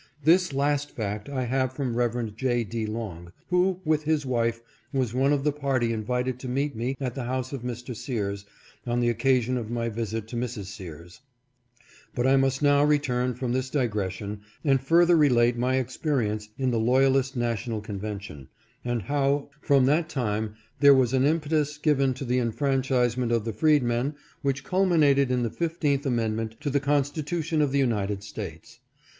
This last fact I have from Rev. J. D. Long, who, with his wife, was one of the party invited to meet me at the house of Mr. Sears on the occasion of my visit to Mrs. Sears. 482 THE CONVENTION DIVIDED. But I must now return from this digression and further relate my experience in the loyalist national convention, and how, from that time, there was an impetus given to the enfranchisement of the freedmen which culminated in the fifteenth amendment to the Constitution of the United States.